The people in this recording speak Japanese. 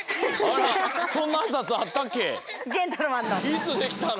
いつできたの？